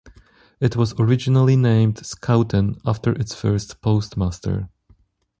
It was originally named Scouten after its first postmaster.